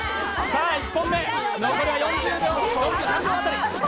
さあ、１本目、残りは４０秒。